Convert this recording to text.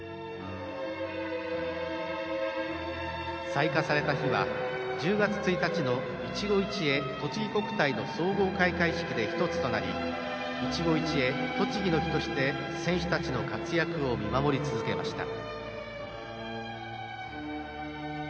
採火された火は、１０月１日の「いちご一会とちぎ国体」の総合開会式で１つとなりいちご一会とちぎの火として選手たちの活躍を見守り続けました。